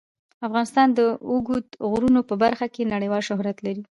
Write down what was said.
افغانستان د اوږدو غرونو په برخه کې نړیوال شهرت لري.